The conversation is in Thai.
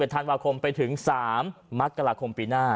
๒๑ธันหวัคคมไปถึง๓มคปีหน้า